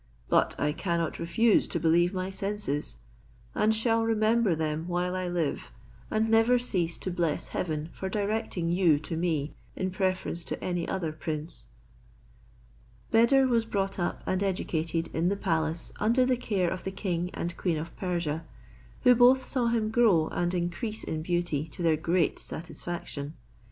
But I cannot refuse to believe my senses; and shall remember them while I live, and never cease to bless heaven for directing you to me, in preference to any other prince." Beder was brought up and educated in the palace under the care of the king and queen of Persia, who both saw him grow and increase in beauty to their great satisfaction.